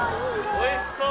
おいしそう！